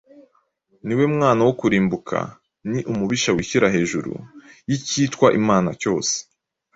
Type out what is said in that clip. ni we mwana wo kurimbuka, ni umubisha wishyira hejuru y’icyitwa imana cyose